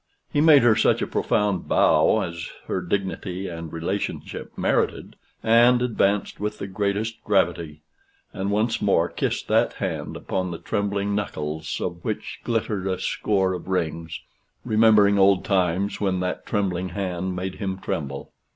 He made her such a profound bow as her dignity and relationship merited, and advanced with the greatest gravity, and once more kissed that hand, upon the trembling knuckles of which glittered a score of rings remembering old times when that trembling hand made him tremble.